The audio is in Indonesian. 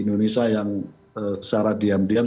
indonesia yang secara diam diam